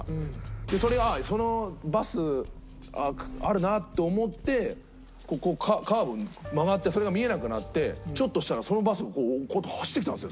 でそれがそのバスあるなと思ってこうカーブ曲がってそれが見えなくなってちょっとしたらそのバスこうやって走ってきたんですよ